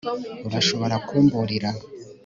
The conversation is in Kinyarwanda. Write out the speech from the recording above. Urashobora kumburira